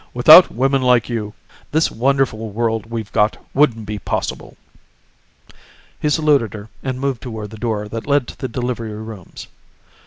Without women like you, this wonderful world we've got wouldn't be possible." He saluted her and moved toward the door that led to the delivery rooms.